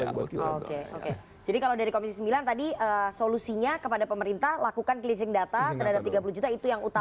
jadi kalau dari komisi sembilan tadi solusinya kepada pemerintah lakukan cleansing data terhadap tiga puluh juta itu yang utama